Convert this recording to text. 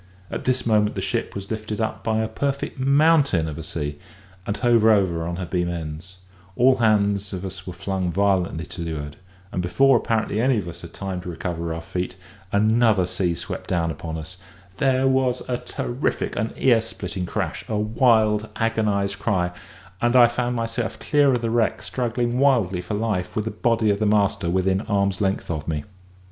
At this moment the ship was lifted up by a perfect mountain of a sea, and hove over on her beam ends; all hands of us were flung violently to leeward; and before apparently any of us had time to recover our feet, another sea swept down upon us; there was a terrific an ear splitting crash, a wild, agonised cry, and I found myself clear of the wreck, struggling wildly for life, with the body of the master within arm's length of me.